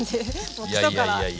もう基礎から。